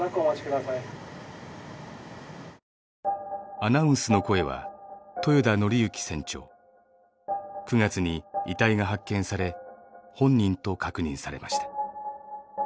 アナウンスの声は９月に遺体が発見され本人と確認されました。